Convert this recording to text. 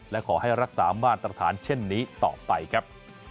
และขอให้รักษามาตรฐานเช่นนี้ต่อไปครับ